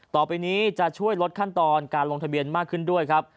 ต่อไปนี้จะช่วยลดขั้นตอนการลงทะเบียนมากขึ้นด้วยครับ